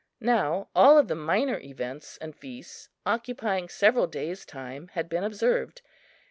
Now all of the minor events and feasts, occupying several days' time, had been observed.